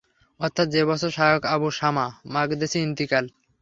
অর্থাৎ যে বছর শায়খ আবু শামা মাকদেসী ইনতিকাল।